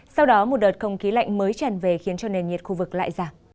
sau đó một đợt không khí lạnh mới tràn về khiến cho nền nhiệt khu vực lại giảm